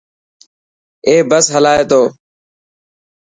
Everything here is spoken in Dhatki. اي بس هلائي تو.